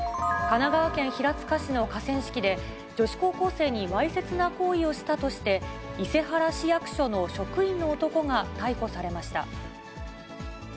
神奈川県平塚市の河川敷で、女子高校生にわいせつな行為をしたとして、伊勢原市役所の職員の男が逮捕されました。